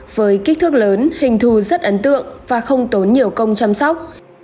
với kích thước lớn hình thù rất ấn tượng và không tốn nhiều công chăm sóc